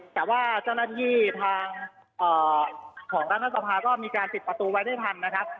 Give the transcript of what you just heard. แต่ว่าเจ้าหน้าที่ทางของรัฐสภาก็มีการปิดประตูไว้ได้ทันนะครับ